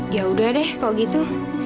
ya udah deh kalau gitu